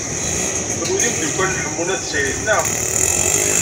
Kenwi d imeddukal n Ḥemmu n At Sɛid, naɣ?